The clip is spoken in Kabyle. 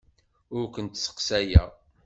Ur kent-sseqsayeɣ.